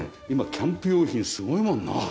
今キャンプ用品すごいもんな。